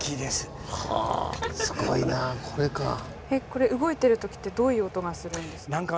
これ動いてる時ってどういう音がするんですか？